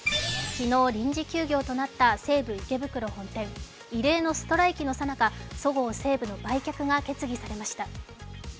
昨日、臨時休業となった西武池袋本店、異例のストライキのさなかそごう・西武の売却が決議されました。